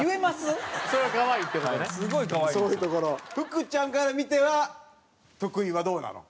福ちゃんから見ては徳井はどうなの？